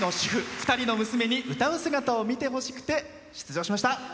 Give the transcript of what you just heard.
２人の娘に歌う姿を見てほしくて出場しました。